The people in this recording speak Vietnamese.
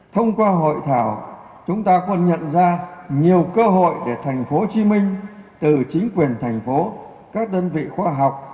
thông qua hội thảo chúng ta còn nhận ra nhiều cơ hội để thành phố hồ chí minh từ chính quyền thành phố các đơn vị khoa học